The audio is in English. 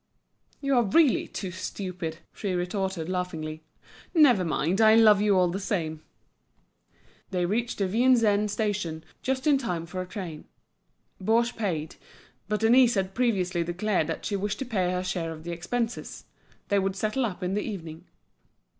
"You are really too stupid!" she retorted, laughingly. "Never mind, I love you all the same." They reached the Vincennes Station just in time for a train. Baugé paid; but Denise had previously declared that she wished to pay her share of the expenses; they would settle up in the evening.